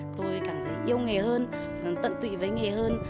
tôi cảm thấy yêu nghề hơn tận tụy với nghề hơn